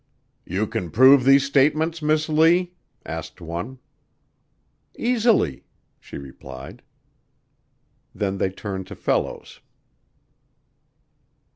"You can prove these statements, Miss Lee?" asked one. "Easily," she replied. Then they turned to Fellows.